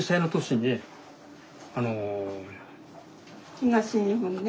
東日本ね。